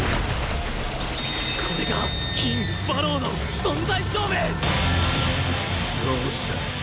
これがキング馬狼の存在証明！どうした？